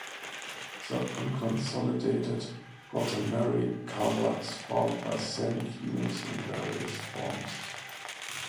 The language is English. The unconsolidated Quaternary cover is formed by sand dunes in various forms.